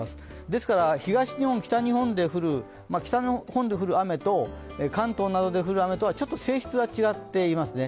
ですから東日本、北日本で降る雨と関東などで降る雨とはちょっと性質が違っていますね。